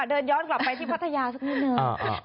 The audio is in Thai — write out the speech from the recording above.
เดินย้อนกลับไปที่พัทยาสักนิดนึง